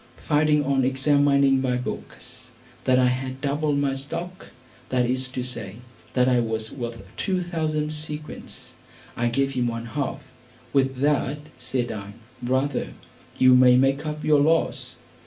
Finding on examining my books, that I had doubled my stock, that is to say, that I was worth two thousand sequins, I gave him one half; "With that," said I, "brother, you may make up your loss."